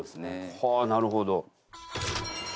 はあなるほど。